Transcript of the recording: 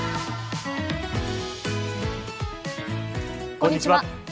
こんにちは。